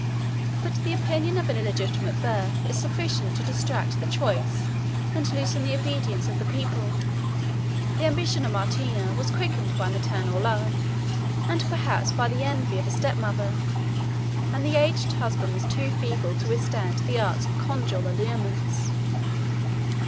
But the opinion of an illegitimate birth is sufficient to distract the choice, and loosen the obedience, of the people: the ambition of Martina was quickened by maternal love, and perhaps by the envy of a step mother; and the aged husband was too feeble to withstand the arts of conjugal allurements.